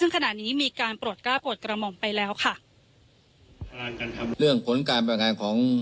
ขณะนี้มีการปลดกล้าปลดกระหม่อมไปแล้วค่ะเรื่องผลการแบบงานของ